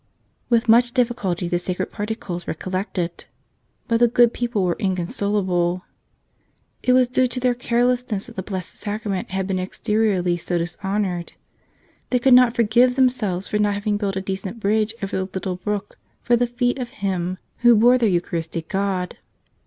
With much difficulty the sacred particles were collected. But the good people were inconsolable. It was due to their carlessness that the Blessed Sacra¬ ment had been exteriorly so dishonored. They could not forgive themselves for not having built a decent bridge over the little brook for the feet of him who bore their Eucharistic God.